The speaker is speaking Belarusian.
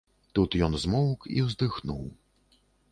Тут ён змоўк і ўздыхнуў.